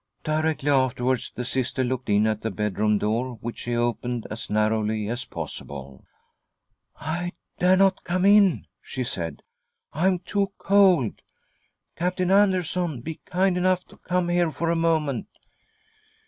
Directly afterwards the Sister looked in at the bedroom door, which she opened as narrowly as possible. " I dare not come in," she said, " I'm too cold. Captain Andersson, be kind enough to come here for a moment."